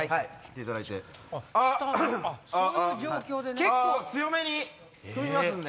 結構強めに踏みますんで。